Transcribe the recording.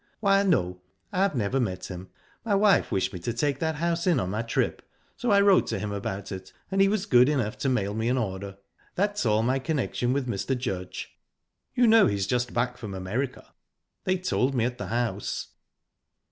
"Why, no; I've never met him. My wife wished me to take that house in on my trip, so I wrote him about it, and he was good enough to mail me an order. That's all my connection with Mr. Judge." "You know he's just back from America?" "They told me at the house."